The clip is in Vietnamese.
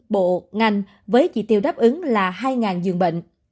bộ ngành với chỉ tiêu đáp ứng là hai dường bệnh